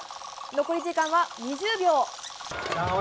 残り時間は２０秒。